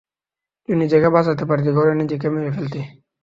তুই নিজেকে বাচাতে পারতি ঘরে নিজেকে মেরে ফেলতি!